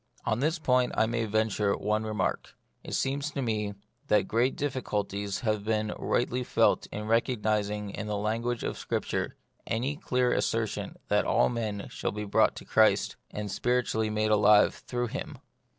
On this point I may venture one remark. It seems to me that great difficulties have been rightly felt in recognising in the lan guage of Scripture any clear assertion that all men shall be brought to Christ, and spirit ually made alive through Him.